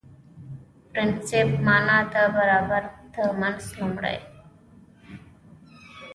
د پرنسېپ معنا ده برابرو ترمنځ لومړی